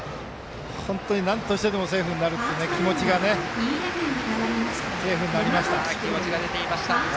本当になんとしてでもセーフになるという気持ちがセーフになりましたね。